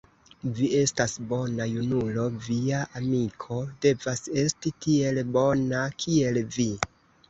Vi estas bona junulo; via amiko devas esti tiel bona, kiel vi.